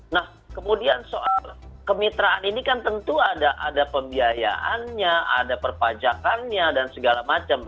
nah kemudian soal kemitraan ini kan tentu ada pembiayaannya ada perpajakannya dan segala macam